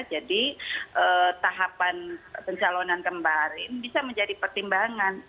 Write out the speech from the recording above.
jadi tahapan pensalonan kemarin bisa menjadi pertimbangan